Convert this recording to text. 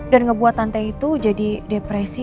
dan ngebuat tante itu jadi depresi